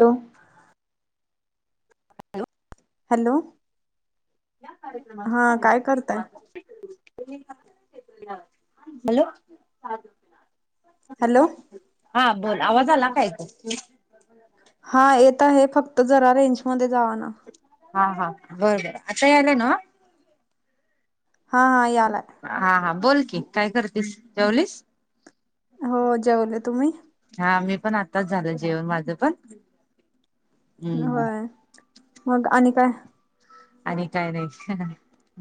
Hello hello या कार्यक्रमाचे हा हिले काय असते करताय पाचष्टेस [unintelligible] हॅलो [inaudible] हॅलो हा बोल आवाज आला काय हा येत आहे फक्त जरा रेंज मध्ये जावा ना. हा हा बर बर आता आला ना हां हा ह आला आहे हा हा बोल की काय करतेस जेवलीस हो जेवले तुम्ही हा मी पण आताच झाल जेवण माझं पण हम्म होय मग आणि काय आणि काय नाही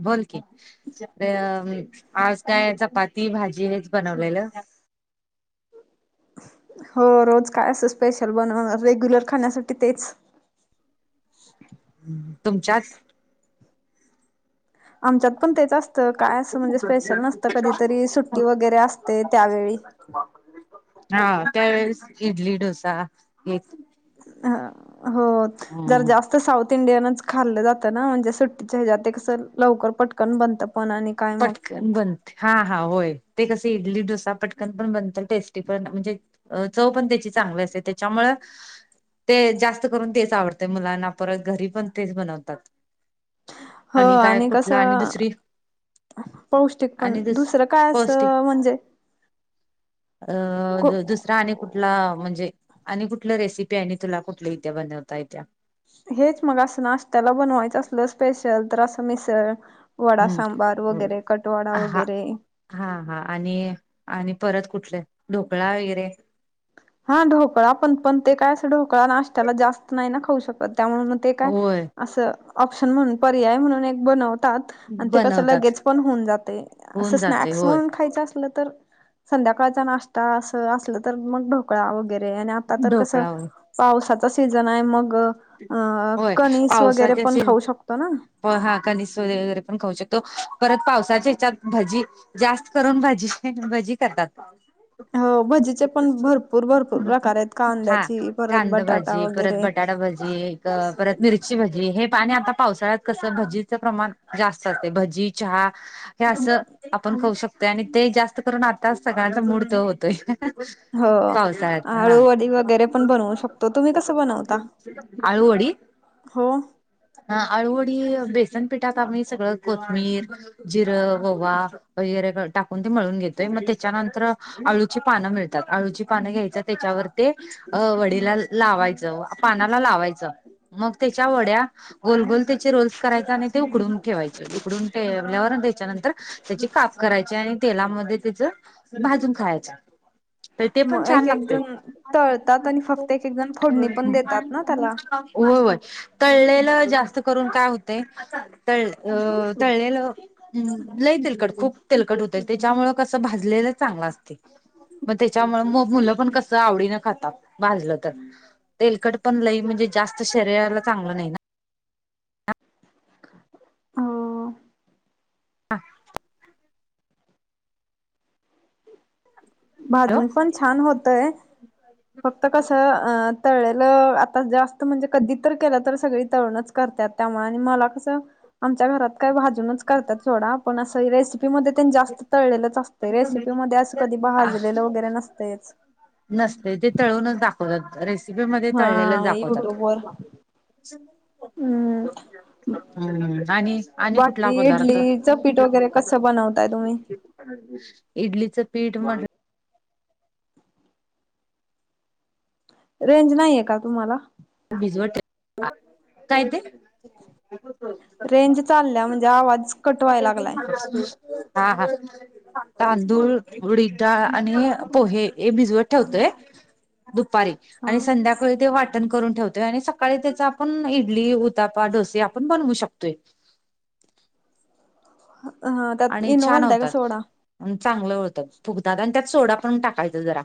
बोल की र आज काय चपाती भाजी हेच बनवलेलं हो रोज काय असं स्पेशल बनव रेग्युलर खाण्यासाठी तेच ह तुमच्याच आमच्यात पण तेच असत तर काय असं म्हणजे स्पेशल नसतं कधीतरी सुट्टी वगैरे असते त्यावेळी हा त्यावेळेस इडली डोसा एक ह हो जर हम्म जास्त आ साऊथ इंडियनच खाल्लं जातं ना म्हणजे सुट्टीच्या हजात कसं लवकर पटकन बनतं पण आणि काय मग पटक बन हा हा होय ते कस इडली डोसा पटकन पण बनतात टेस्टी पण म्हणजे अ चव पण त्याची चांगली असते त्याच्यामुं ते जास्त करून तेच आवडते मुलांना परत घरी पण तेच बनवतात हो काय आणि कुठला कसं दुसरी पौष्टिक पण आणि दुस दुसरं काय पौष्टिक असं म्हणजे अ दुसरा आणि कुठला म्हणजे आणि कुठलं रेसिपी आहे आणि तुला कुठली इथ्या बनवता येत्या हेच मग असं नाश्त्याला बनवायचं असलं स्पेशल तर असं मिसळ वडा सांबार हम्म वगैरे कटवाडा हा वगैरे हा हा आणि आणि परत कुठले ढोकळा वगैरे हा ढोकळा पण पण ते काय असं ढोकळा नाश्त्याला जास्त नाही ना खाऊ शकत त्यामुळे ते काय होय असं ऑप्शन म्हणून पर्याय म्हणून एक बनवतात. आणि ते कसं बनवतात लगेज पण होऊन जाते होऊन असं जाते स्नॅक्स होय म्हणून खायचं असलं तर. संध्याकाळचा नाश्ता असं असलं तर मग ढोकळा वगैरे आणि आता तर कसं. ढोकळा पावसाचा सीझन आहे मग होय कनिस वगैरे पण खाऊ शकतो ना. प हा कणीस वगैरे पण खाऊ शकतो. परत पावसाच्या ह्याच्यात भजी. जास्त करून भजी भजी करतात. हो भजीचे पण भरपूर भरपूर प्रकार आहेत हा कांद्याची परत बटाटा वगैरे. एक परत मिरची भजी हे पाणी आता पावसाळ्यात कसं भजीचं प्रमाण जास्त असते भजी. चहा हे असं आपण खाऊ शकतो. आणि ते जास्त करून आताच सगळ्यांचा मूड तो होतोय. हो पावसाळ्यात आळू हा. वडी वगैरे पण बनवू शकतो तुम्ही कसं बनवता [unintelligible] आळूवडी. हो हा आळू वडी बेसनपिठात आम्ही सगळं कोथिंबीर जिरं ओवा. वगैरे टाकून ते मिळून घेतोय मग त्याच्यानंतर. आळूची पानं मिळतात आळूची पानं घ्यायचं त्याच्यावर ते वडीला लावायचं. पानाला लावायचं मग त्याच्या वड्या गोल ते. रोल्स कराय आणि ते उघडून ठेवायचे उघडून. ठेवल्यावर त्याच्यानंतर त्याची काप करायची आणि तेलामध्ये तेच. भाजून खायच. ते पण मग छान एक एक लागतंय. जण तळतात आणि फक्त एक एक जण फोडणी पण [unintelligible] देतात ना त्याला होय होय. तळलेलं जास्त करून काय होतंय तळ अ तळलेलं. लय तेलकट खूप तिलकट होतंय त्याच्यामुळ कसं भाजलेलं चांगल असतंय. मग त्याच्यामुळे मुलं पण कस आवडीनं खातात भाजलं तर. तेलकट पण लई म्हणजे जास्त शरीराला चांगलं नाही ना. अं हा. हां. हॅलो भाजून पण छान होतंय. फक्त कसं अ तळलेलं आता जास्त म्हणजे कधी तर केलं तर सगळी तळूनच. करत्यात त्यामुळं आणि मला कसं आमच्या घरात काय भाजूनच करतात सोडा. पण असं रेसिपीमध्ये तेन जास्त तळलेलंच असतंय, रेसिपीमध्ये असं कधी भाज लेलं वगैरे नसतंयच. नसते ते तळूनच दाखवतात रेसिपीमध्ये तळलेलंच हा दाखवतात. युट्यूब वर हम्म ह आणि आणि कुठला पदार्थ. चं पीठ वगैरे कसं बनवताय तुम्ही. इडलीचं पीठ रेंज नाहीये का तुम्हाला. भिजवत ठेव काय ते. रेंज चालल्या म्हणजे आवाज कट व्हायला लागलाय. [unintelligible] [unintelligible] तांदूळ उडीद डाळ आणि पोहे हे भिजवत ठेवतोय. दुपारी आणि हा संध्याकाळी ते वाट करून ठेवतोय आणि सकाळी त्याचा आपण इडली उतापा डोसे आपण बनवू शकतोय. त्यात इनो घालताय का सोडा. अन चांगलं होतं फुगतात आणि त्यात सोडा पण टाकायचं जरा.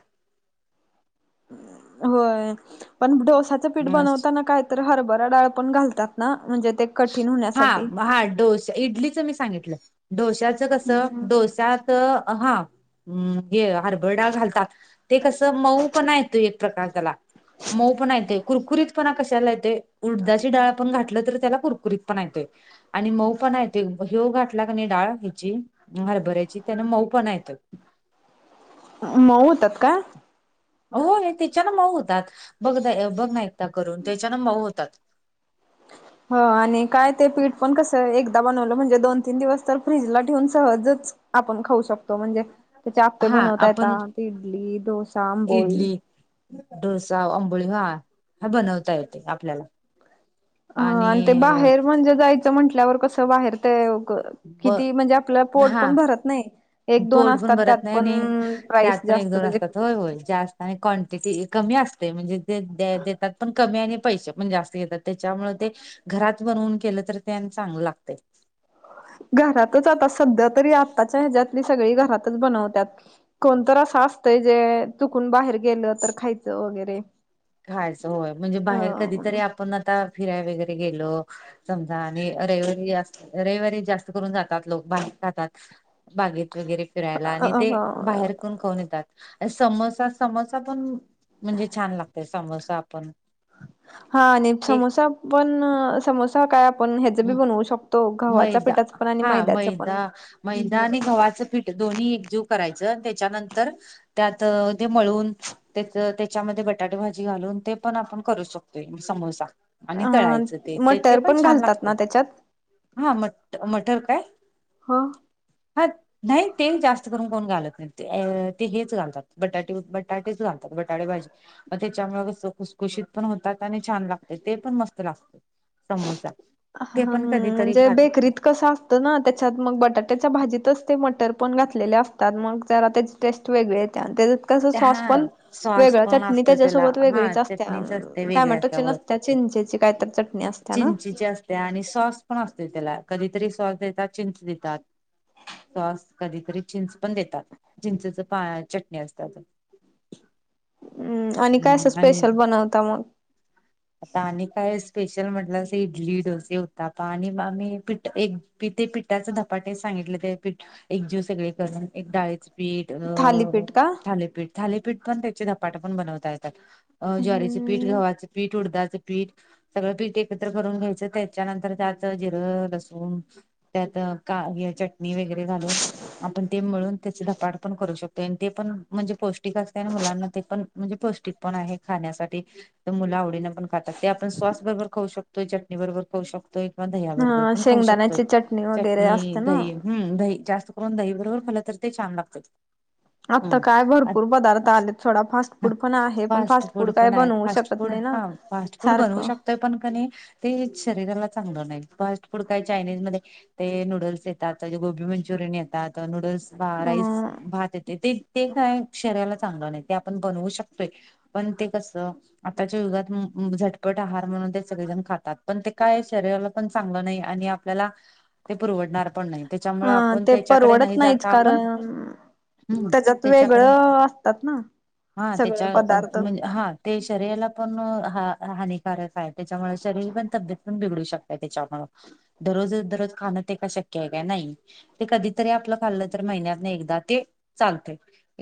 होय पण डोसाचं पीठ बनवताना काय. तर हरभरा डाळ पण घालतात ना म्हणजे ते. कठीण हा होण्यासाठी हा डोश इडलीचं मी सांगितलं डोश्याचं कस हम्म डोसा. त हा हे हरभरा डाळ घालतात. ते कसं मऊ पण ये तो एक प्रकार त्याला. मऊ पण येते कुरकुरीत पण कशाला येते उडदाची डाळ पण घातलं तर त्याला. कुरकुरीत पणा येतोय. आणि मऊ पणा येतोय ह्यो घाातला क नाही डाळ ह्याची हरभऱ्याची त्यान मऊ पण येत. मऊ होतात काय. होय त्याच्यान मऊ होतात बघ द बघ ना एकदा करून त्याच्यान मऊ होतात. हो आणि काय ते पीठ पण कसं एकदा बनवलं म्हणजे दोन तीन दिवस तर फ्रीजला ठेऊून सहजच. आपण खाऊ शकतो म्हणजे त्याचे आपे हा बनवता येत आपण ते इडली डोसा आंबोळी. इडली डोसा आंबोळी हा बनवता येते आपल्याला. ह आणि ते बाहेर म्हणजे जायचं म्हंटल्यावर कसं बाहेर. तेव क ब किती म्हणजे आपला पोट हा पण भरत नाही. एक दोन पोट पण असतात त्यात भरत पण नाही त्यात प्राईस पण एक जास्त दोन त्याचे असतात होय होय जास्त. आणि क्वांटिटी कमी असते म्हणजे दे दा देतात पण कमी आणि पैसे जास्त. देतात त्याच्यामुळे ते घरात बनवून केलं तर ते चांगलं लागतय. घरातच आता सध्या तरी आत्ताच्या ह्याच्यातली सगळी घरातच बनवतात. कोणत असं असतंय जे चुकून बाहेर गेलं तर खायचं वगैरे. खायचं होय म्हणजे अ बाहेर कधीतरी आपण आता फिराय वगैरे गेलो. समजा आणि रविवार जास्त रविवारी जास्त करून जातात लोक बाहेर खातात. बागेत वगैरे फिरायला आणि ते बाहेर. खाऊन येतात अ समोसा समोसा पण म्हणजे छान लागतय समोसा आपण. हा आणि ते समोसा पण समोसे. से काय आपण ह्याच बी बनवू शकतो घव्हाच्या मैदा पिठाचं पण आणि हा मैद्याचं मैदा पण. मैदा आणि गव्हाचं पीठ दोन्ही एकजीव करायचं त्याच्यानंतर. त्यात ते मळून. त्या त्याच्यामध्ये बटाटे भाजी घालून ते पण आपण करू शकतोय समोसा. आणि तळायचं ते ते पण छान लागत. न त्याच्यात. हा म मटर काय. हां, हात. नाही ते जास्त करून कोण घालत नाही ते हेच घालतात बटाटे बटाटेच घालतात बटाटे भाजी. अ त्याच्यामुळे कस खुसखुशीत पण होतात आणि छान लागत ते पण मस्त लागत. समोसा. हा कधीतरी म्हणजे खात बेकरीत कसा. तर ना त्याच्यात मग बटाट्याच्या भाजीतच ते मटर पण घातलेले असतात मग जरा तेच. टेस्ट वेगळे येत तिच्यात. कस सॉस हा पण सॉस वेगळ पण चटणी असतो त्याला त्याच्यासोबत हा वेगळीच असते चटणीच असते वेगळे टमॅटो असल्यावर नस''--'' त्या चिंचेची कायत चटणी असत्या ना. चिंचे ची असते आणि सॉस पण असते त्याला कधीतरी सॉस देतात चिंच देतात. सॉस कधीतरी चिंच पण देतात. चिंचेच पा -चटणी असतात. हम्म! आणि काय असं हम्म आणि स्पेशल बनवता मग? आता आणि काय स्पेशल म्हटलं अस इडली डोसे उत्तप्पा आणि आम्ही पिठ एक पि ते पिठाच धपाटे सांगितलं ते पठ एक जीव सगळे करून एक डाळी पीठ अ थालीपीठ का थालेपीठ, थालेपीठ पण त्याचे धपाट पण बनवता येतात. अ ज्वारी च पीठ, हम्म गवा च पीठ, उडदा च पीठ, सगळं पीठ एकत्र करून घ्यायचं त्याच्यानंतर त्यात जिरं, लसूण, त्यात का चटणी वगैरे घालून आपण ते मळून त्याच धपाट पण करू शकतो. ते पण म्हणजे पौष्टिक असते ना मुलांना ते पण म्हणजे पौष्टिक पण आहे खाण्यासाठी. मुलं आवडीने पण खातात. ते आपण स्वास बरोबर खाऊ शकतोय, चटणी बरोबर खाऊ शकतोय, दह्याबरोबर हा पण खाऊ शकतोय, शेंगदाण्याची चटणी वगैरे चटणी असते ना दही हम्म दही जास्त आपण दही बरोबर खाल्ला तर ते छान लागतात. आत्ता हम्म. काय भरपूर पदार्थ अच्छा आले सोडा, फास्ट फूड पण आहे, पण फास्ट फूड काय बनव फास्ट फूड हा फास्ट फूड बनवू शक ते पण कनी ते शरीराला चांगलं नाही. फास्ट फूड काय चायनीज मध्ये ते नूडल्स येतात, गोबी मंचुरियन येतात, नूडल्स राईस अ भात येते ते, ते काय शरीराला चांगलं नाही, ते आपण बनवू शकतोय पण ते कसं आताच्या युगात झटपट आहार म्हणून ते सगळेजण खातात, पण ते काय शरीराला पण चांगलं नाही आणि आपल्याला ते पुरवडणार पण नाही. त्याच्यामुळे हा आपण ते त्याच्याकडे परवडत नाही नाहीच जाता आपण कारण हम्म, त्याच्यात त्याच्याकडे वेगळं असतात ना हा सगळं त्याच्या अ पदार्थ म्हणजे हा ते शरीराला पण हा -हानिकारक आहे, त्याच्यामुळे शरीर पण तब्येत पण बिघडू शकत त्याच्यामुळ‌. दररोज दररोज खाणं ते का शक्य आहे का नाही. ते कधीतरी आपलं खाल्लं तर महिन्यात एकदा ते चालते.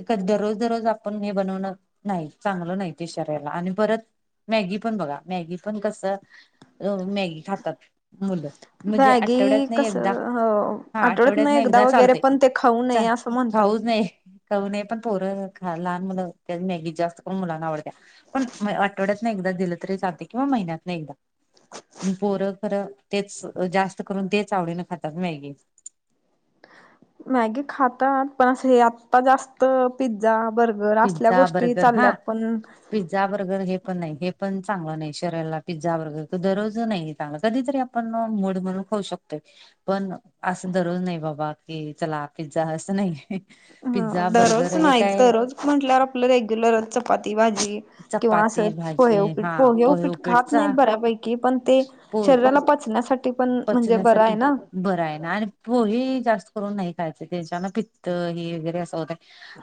खर दररोज दररोज आपण हे बनवणं नाही चांगलं नाही ते शक्य आणि परत मॅगी पण बघा मॅगी पण कसं मॅगी खातात. मुलं म्हणजे मॅगी आठवड्यात एकदा कसं हा आठवडत आठवड्यात नाही एकदा वगैरे चालते. पण ते खाऊ नये चाल असं म्हणतात खाऊच नये. करू नये पण थों लहान मुलं त्या मॅगी जास्त पण मुलांना आवडत्या. पण म आठवड्यात एकदा दिलं तरीचालते किंवा महिन्यात ना एकदा. पोरं खरं तेच जास्त करून तेच आवडीनं खातात मॅगी. मॅगी खातात पण असं हे आत्ता जास्त पिझ्झा, बर्गर, असल्या पिझ्झा गोष्टी बर्गर हा चालल्यात पण पिझ्झा, बर्गर हे पण नाही, हे पण चांगलं नाही शरीयला पिझ्झा बर्गर क दररोज नाही चांगलं कधीतरी आपण पण मड म्हणून होऊ शकतो पण असं दररोज नाही बाबा की चला पिझ्झा असं नाही. हा पिझ्झा बर्गर दररोज हे नाही काय दररोज म्हटल्या आपलं रेग्युलरच चपाती भाजी. किंवा अस चपाती पोहे भाजी उपीट, हा पोहे उपीट खात नाही उपीटचा बऱ्यापैकी पण ते पो शरीराला पच ण्यासाठी पचण्यासाठी. बरं आहे ना आणि पोहे जास्त करून नाही खायच त्यांच्यान पित्त ही वगैरे असं होत.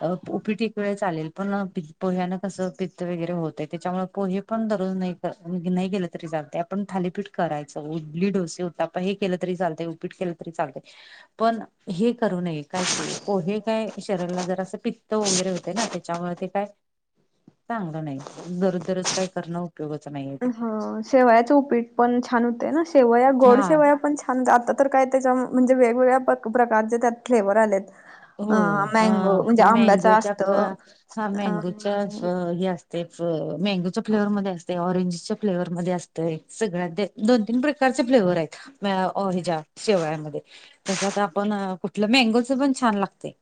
अ उपीट एक वेळ चालेल. पण पोह्यानं कसं पित्त वगैरे होतं त्याच्यामुळे पोहे पण दररोज नाही नाही केलं तरी चालते. पण थालीपीठ करायचं उडली डोसे होता पण हे केलं तरी चालत उपीठ केलं तरी चालत. पण हे करू नये काय ते पोहे काय शरीराला जर असं पित्त वगैरे होते ना त्याच्यावर ते काय चांगलं नाही दररोज दररोज काय करणं. [unintelligible] नाही. ह शेवयाचं उपीट पण छान होतेय ना, शेवया गोड हा शेवया पण छान आता तर काय त्याच्या म्हणजे वेगवेगळ्या प्रकारचे त्यात फ्लेवर आलेत. अ होय होय, मँगो म्हणजे हं आंब्याच मॅगोच्या प असतं हां मँगोच्या आणि अस तेच मँगोच्या फ्लेवरमध्ये असते, ऑरेंजच्या फ्लेवर मध्ये असतंय, सगळ्या ते दोन तीन प्रकारचे फ्लेवर हयेत. [unintelligible] च्या शेव्यामध्ये, त्याच्यात आपण कुठलं मँगोच पण छान लागतय.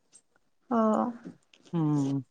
हं. हम्म.